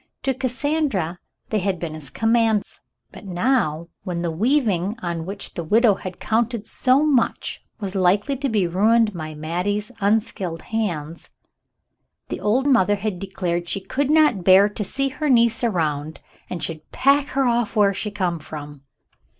To Cassandra they had been as commands, but now — when the weaving on which the widow had counted so much was likely to be ruined by Mattie's unskilled hands — the old mother had declared she could not bear to see her niece around and should "pack her off whar she come from."